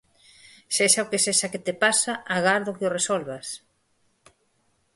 Sexa o que sexa que te pasa, agardo que o resolvas.